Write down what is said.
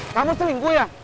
kamu selingkuh ya